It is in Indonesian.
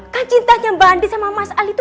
kan cintanya mbak andin sama mas al itu